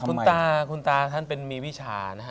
คุณตาคุณตาท่านเป็นมีวิชานะฮะ